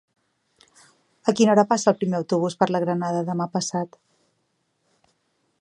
A quina hora passa el primer autobús per la Granada demà passat?